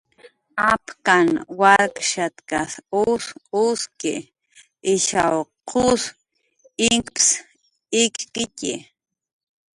Apkanh warkshatkas us uski, ishaw qus inkps akkitxi